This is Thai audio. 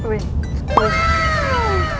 ว้าว